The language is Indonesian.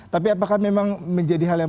tapi apakah memang menjadi hal yang